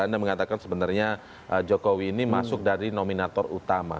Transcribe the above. anda mengatakan sebenarnya jokowi ini masuk dari nominator utama